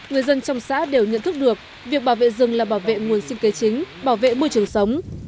người dân trong xã đều nhận thức được việc bảo vệ rừng là bảo vệ nguồn sinh kế chính bảo vệ môi trường sống